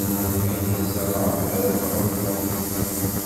Ayen tzerɛd ara tɣellteḍ.